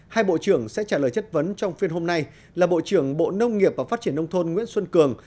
hai bộ trưởng sẽ trả lời chất vấn trong phiên hôm nay là bộ trưởng bộ nông nghiệp và phát triển nông thôn nguyễn xuân cường